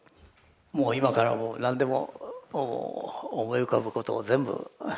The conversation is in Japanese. もう今から何でも思い浮かぶことを全部。